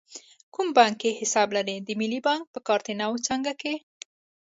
کوم بانک کې حساب لرئ؟ د ملی بانک په کارته نو څانګه کښی